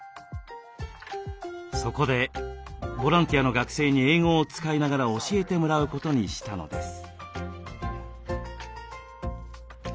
そこでボランティアの学生に英語を使いながら教えてもらうことにしたのです。